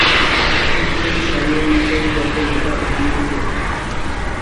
ঠিক সেই সময়ের মতোই, যখন এটা বানিয়েছিলে।